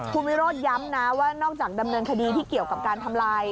คุณวิโรธย้ำนะว่านอกจากดำเนินคดีที่เกี่ยวกับการทำลาย